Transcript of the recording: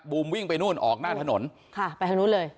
วิ่งไปนู่นออกหน้าถนนค่ะไปทางนู้นเลย